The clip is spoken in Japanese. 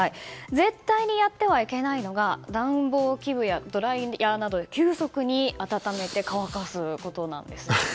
絶対にやってはいけないのは暖房器具やドライヤーで急速に温めて乾かすことです。